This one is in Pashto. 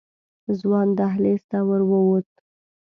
ځوان دهلېز ته ورو ووت.